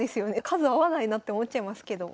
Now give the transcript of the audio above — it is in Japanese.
数合わないなって思っちゃいますけど。